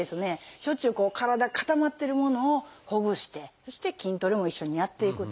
しょっちゅうこう体固まってるものをほぐしてそして筋トレも一緒にやっていくと。